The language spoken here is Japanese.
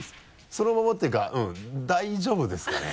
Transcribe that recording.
そのままっていうか大丈夫ですかね。